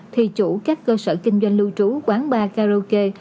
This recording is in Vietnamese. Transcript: thì chủ các cơ sở kinh doanh lưu trú quán bar karaoke